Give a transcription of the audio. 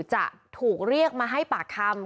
จะถูกเรียกมาให้ปากคำ